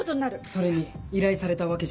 それに依頼されたわけじゃない。